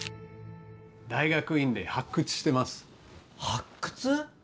大学院で発掘してます。発掘！？